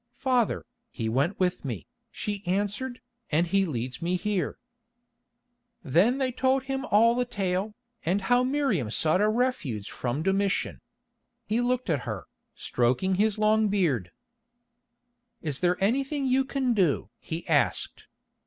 "Father, he went with me," she answered, "and he leads me here." Then they told him all the tale, and how Miriam sought a refuge from Domitian. He looked at her, stroking his long beard. "Is there anything you can do?" he asked.